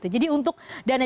jadi untuk dana